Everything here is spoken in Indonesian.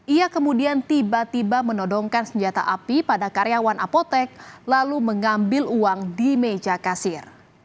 ia kemudian tiba tiba menodongkan senjata api pada karyawan apotek lalu mengambil uang di meja kasir